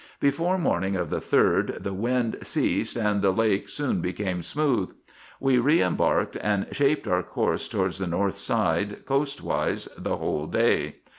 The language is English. Before morning of the 3d the wind ceased, and the lake soon became smooth. We re embarked, and shaped our course towards the north side, coastwise the whole day.